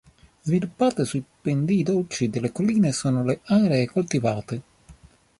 Sviluppate sui pendii dolci delle colline sono le aree coltivate.